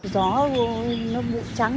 gió luôn nó bụi trắng